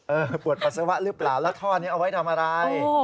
ปวดปัสสาวะหรือเปล่าแล้วท่อนี้เอาไว้ทำอะไร